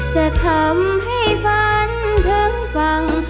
จะทำให้ฝันถึงฟัง